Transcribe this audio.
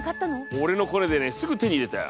俺のコネでねすぐ手に入れたよ。